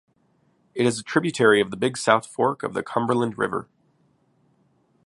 It is a tributary of the Big South Fork of the Cumberland River.